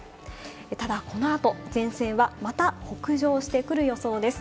ただこの後、前線はまた北上してくる予想です。